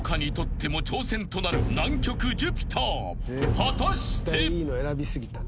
［果たして］